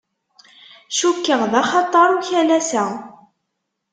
Cukkeɣ d axatar ukalas-a.